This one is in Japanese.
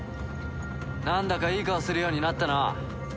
なんだかいい顔するようになったな。